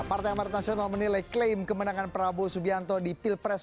partai amarat nasional menilai klaim kemenangan prabowo subianto di pilpres dua ribu sembilan belas